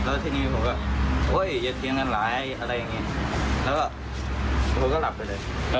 ไม่มีเลยครับ